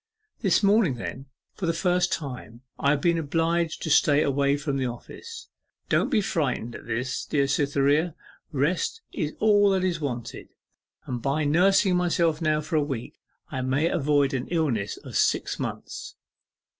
This morning then, for the first time, I have been obliged to stay away from the office. Don't be frightened at this, dear Cytherea. Rest is all that is wanted, and by nursing myself now for a week, I may avoid an illness of six months.